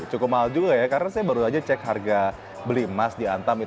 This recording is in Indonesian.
cukup mahal juga ya karena saya baru aja cek harga beli emas di antam